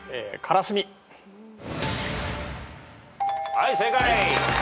はい正解！